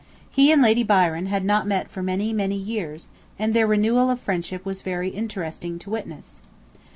He and Lady Byron had not met for many, many years, and their renewal of old friendship was very interesting to witness.